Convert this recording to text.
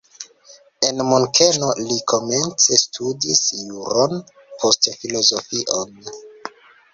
En Munkeno li komence studis juron, poste filozofion.